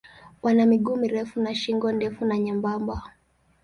Wana miguu mirefu na shingo ndefu na nyembamba.